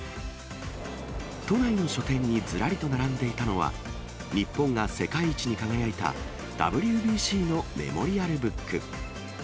都内の書店にずらりと並んでいたのは、日本が世界一に輝いたＷＢＣのメモリアルブック。